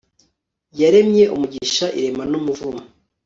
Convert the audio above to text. yaremye umugisha irema n'umuvumo